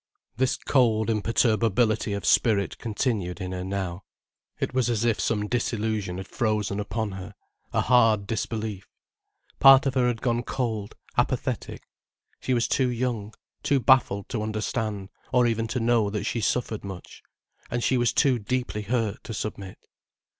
This cold imperturbability of spirit continued in her now. It was as if some disillusion had frozen upon her, a hard disbelief. Part of her had gone cold, apathetic. She was too young, too baffled to understand, or even to know that she suffered much. And she was too deeply hurt to submit.